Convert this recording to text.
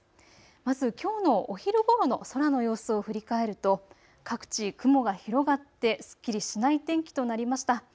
まずきょうのお昼の空の様子を振り返ると各地、雲が広がってすっきりしない天気となりました。